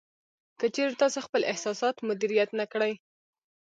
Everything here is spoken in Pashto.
که چېرې تاسې خپل احساسات مدیریت نه کړئ